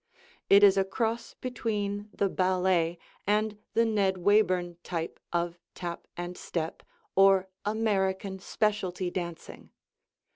It is a cross between the ballet and the Ned Wayburn type of tap and step or American specialty dancing.